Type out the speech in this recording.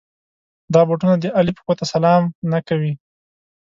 دا بوټونه د علي پښو ته سلام نه کوي.